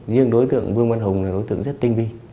riêng đối tượng vương văn hùng là đối tượng rất tinh vi